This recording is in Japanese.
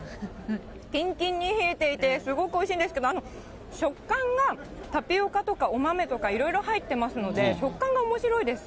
きんきんに冷えていて、すごくおいしいんですけど、食感がタピオカとかお豆とかいろいろ入ってますんで、食感がおもしろいです。